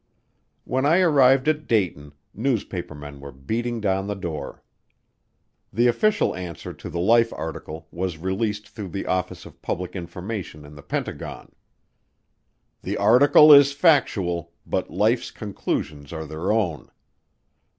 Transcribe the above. When I arrived at Dayton, newspapermen were beating down the door. The official answer to the Life article was released through the Office of Public Information in the Pentagon: "The article is factual, but Life's conclusions are their own."